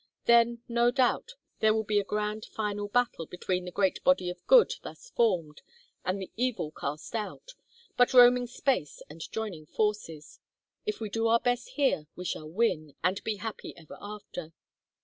Then, no doubt, there will be a grand final battle between the great body of good thus formed, and the evil cast out, but roaming space and joining forces. If we do our best here we shall win, and be happy ever after.